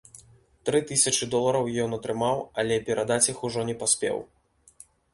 Тры тысячы долараў ён атрымаў, але перадаць іх ужо не паспеў.